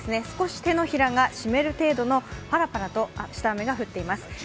少し手のひらが湿る程度のパラパラとした雨が降っています。